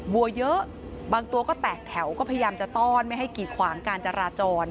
วัวเยอะบางตัวก็แตกแถวก็พยายามจะต้อนไม่ให้กีดขวางการจราจร